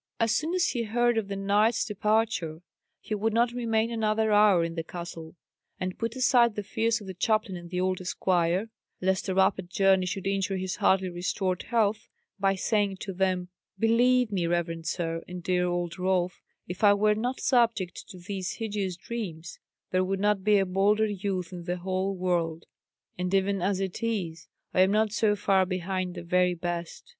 As soon as he heard of the knight's departure, he would not remain another hour in the castle; and put aside the fears of the chaplain and the old esquire, lest a rapid journey should injure his hardly restored health, by saying to them, "Believe me, reverend sir, and dear old Rolf, if I were not subject to these hideous dreams, there would not be a bolder youth in the whole world; and even as it is, I am not so far behind the very best.